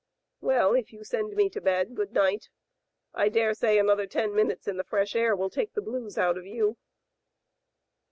"Well, if you send me to bed, good night. I daresay another ten minutes in the fresh air will take the blues out of you.